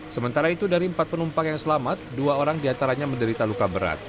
sementara itu dari empat penumpang yang selamat dua orang diantaranya menderita luka berat